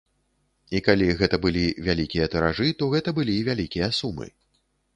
І калі гэта былі вялікія тыражы, то гэта былі вялікія сумы.